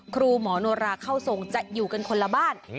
ครูหมอโนราเข้าทรงจะอยู่กันคนละบ้าน